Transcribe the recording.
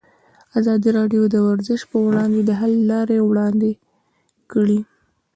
ازادي راډیو د ورزش پر وړاندې د حل لارې وړاندې کړي.